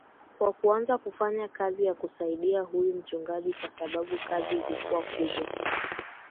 kwa kuanza kufanya kazi ya kusaidia huyu mchungaji kwa sababu kazi ilikuwa kubwa